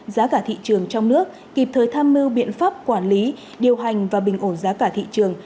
giá cả thị trường trong nước kịp thời tham mưu biện pháp quản lý điều hành và bình ổn giá cả thị trường